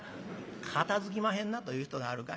「『片づきまへんな』と言う人があるかいな。